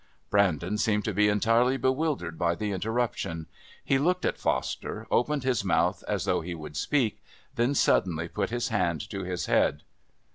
Brandon seemed to be entirely bewildered by the interruption. He looked at Foster, opened his mouth as though he would speak, then suddenly put his hand to his head.